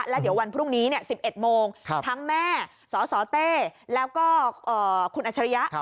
และเดี๋ยววันพรุ่งนี้๑๑โมงทั้งแม่สสเต้แล้วก็คุณอัชริยะ